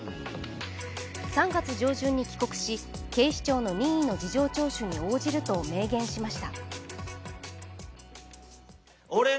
３月上旬に帰国し、警視庁の任意の事情聴取に応じると明言しました。